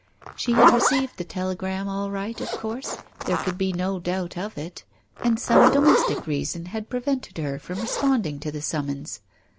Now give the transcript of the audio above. She had received the telegram all right, of course, there could be no doubt of it, and some domestic reason had prevented her from respond ing to the summons.